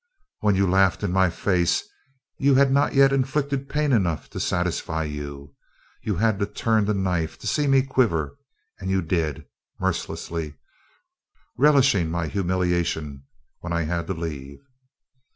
"When you laughed in my face you had not yet inflicted pain enough to satisfy you you had to turn the knife to see me quiver. And you did mercilessly relishing my humiliation when I had to leave.